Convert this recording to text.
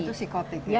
itu psikotik ya